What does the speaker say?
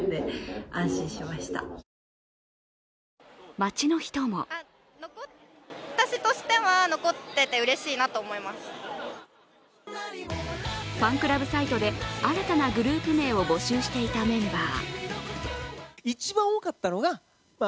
街の人もファンクラブサイトで新たなグループ名を募集していたメンバー。